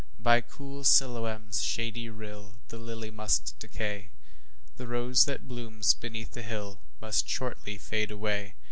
By cool Siloam's shady rill The lily must decay; The rose that blooms beneath the hill Must shortly fade away.